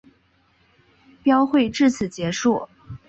标会至此结束。